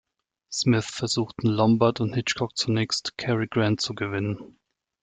Smith versuchten Lombard und Hitchcock zunächst, Cary Grant zu gewinnen.